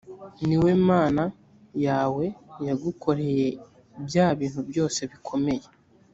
ni we mana yawe yagukoreye bya bintu byose bikomeye